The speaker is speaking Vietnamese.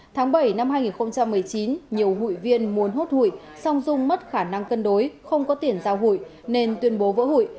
tháng bảy năm hai nghìn một mươi chín nhiều hủy viên muốn hốt hủy song dung mất khả năng cân đối không có tiền giao hủy nên tuyên bố vỡ hủy